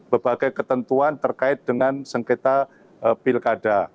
berbagai ketentuan terkait dengan sengketa pilkada